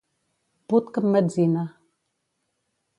Put que emmetzina.